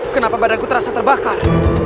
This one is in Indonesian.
kenapa badanku terasa terbakar